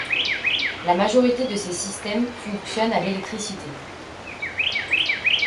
La majorité de ces systèmes fonctionnent à l'électricité.